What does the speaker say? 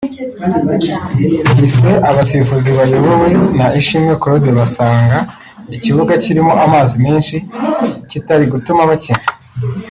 ihise abasifuzi bayobowe na Ishimwe Claude basanga ikibuga kirimo amazi menshi kitari gutuma bakina